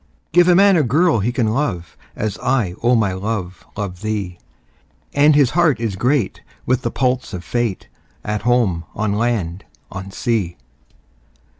Give a man a girl he can love, As I, O my love, love thee; 10 And his heart is great with the pulse of Fate, At home, on land, on sea.